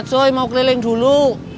liat soi mau keliling dulu